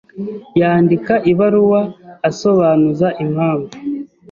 yandika ibaruwa asobanuza impamvu